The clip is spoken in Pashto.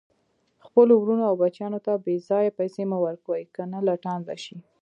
خپلو ورونو او بچیانو ته بیځایه پیسي مه ورکوئ، کنه لټان به شي